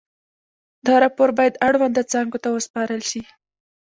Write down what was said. دا راپور باید اړونده څانګو ته وسپارل شي.